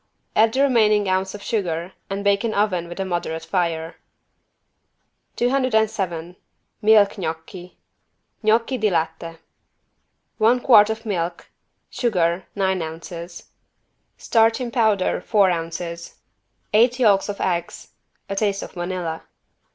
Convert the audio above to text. Add the remaining ounce of sugar and bake in oven with a moderate fire. 207 MILK GNOCCHI (Gnocchi di latte) One quart of milk. Sugar, nine ounces. Starch in powder, four ounces. Eight yolks of eggs. A taste of vanilla.